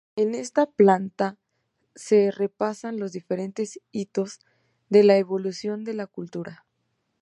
En esta planta se repasan los diferentes hitos de la evolución de la cultura.